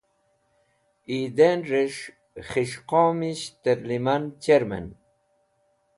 Eidaineres̃h Khis̃h Qomisht Terliman Cherman